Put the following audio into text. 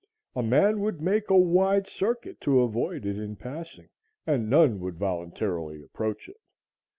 A man would make a wide circuit to avoid it in passing and none would voluntarily approach it.